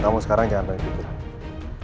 kamu sekarang jangan balik ke sini